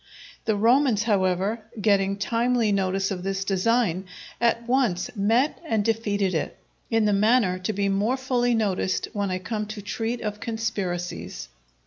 The Romans, however, getting timely notice of this design, at once met and defeated it, in the manner to be more fully noticed when I come to treat of conspiracies.